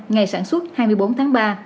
ngày sản xuất hai mươi bốn tháng ba